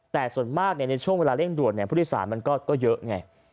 แต่ส่วนมากในช่วงเวลาเร่งด่วนผู้โดยสารมันก็เยอะไง